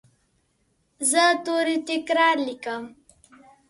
زه توري تکرار لیکم.